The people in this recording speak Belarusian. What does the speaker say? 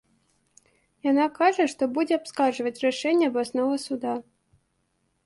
Яна кажа, што будзе абскарджваць рашэнне абласнога суда.